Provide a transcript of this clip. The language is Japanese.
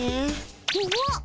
うわっ！？